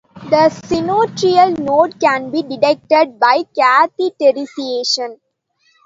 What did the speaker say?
The sinoatrial node can be detected by catheterization.